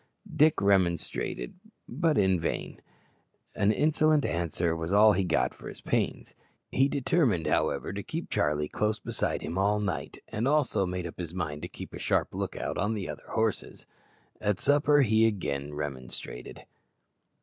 Dick remonstrated, but in vain. An insolent answer was all he got for his pains. He determined, however, to keep Charlie close beside him all night, and also made up his mind to keep a sharp look out on the other horses. At supper he again remonstrated.